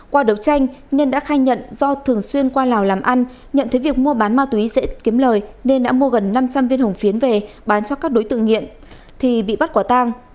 qua đấu tranh nhân đã khai nhận do thường xuyên qua lào làm ăn nhận thấy việc mua bán ma túy dễ kiếm lời nên đã mua gần năm trăm linh viên hồng phiến về bán cho các đối tượng nghiện thì bị bắt quả tang